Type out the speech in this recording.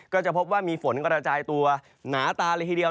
ก็จะพบว่ามีฝนกระจายตัวหนาตาเลยทีเดียว